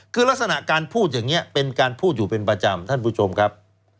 คือลักษณะการพูดอย่างนี้เป็นการพูดอยู่เป็นประจำท่านผู้ชมครับ